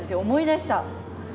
思い出した！